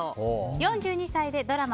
４２歳でドラマ